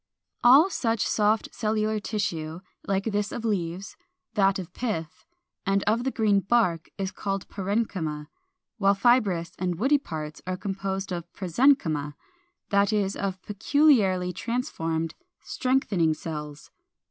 All such soft cellular tissue, like this of leaves, that of pith, and of the green bark, is called PARENCHYMA, while fibrous and woody parts are composed of PROSENCHYMA, that is, of peculiarly transformed 407. =Strengthening Cells.